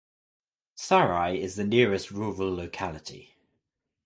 Sarai is the nearest rural locality.